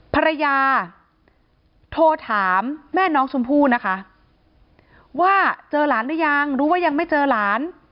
ภรรยาโทรถามแม่น้องชมพู่นะคะว่าเจอหลานหรือยังรู้ว่ายังไม่เจอหลาน